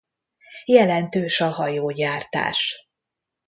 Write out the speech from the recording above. Jelentős a hajógyártás.